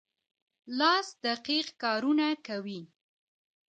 لاس دقیق کارونه کوي.